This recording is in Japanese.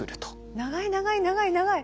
長い長い長い長い。